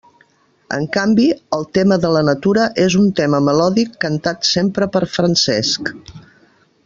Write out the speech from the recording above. En canvi, el tema de la natura és un tema melòdic cantat sempre per Francesc.